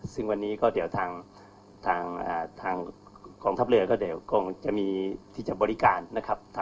ซึ่งวันนี้ก็เดี๋ยวทางกองทัพเรือก็เดี๋ยวคงจะมีที่จะบริการนะครับ